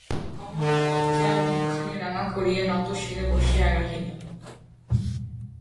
কমলা লজ্জায় মুখখানি রাঙা করিয়া নতশিরে বসিয়া রহিল।